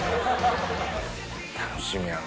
楽しみやな。